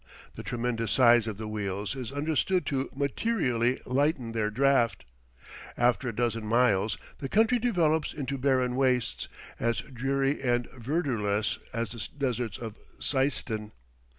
The tremendous size of the wheels is understood to materially lighten their draught. After a dozen miles the country develops into barren wastes, as dreary and verdureless as the deserts of Seistan.